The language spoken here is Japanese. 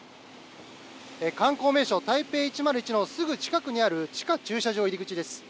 観光名所・台北１０１のすぐ近くにある地下駐車場入り口です。